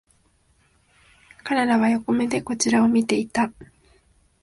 彼らは横目でこちらを見ていた